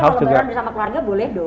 kalau lebaran bersama keluarga boleh dong